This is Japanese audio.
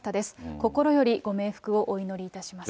心よりご冥福をお祈りいたします。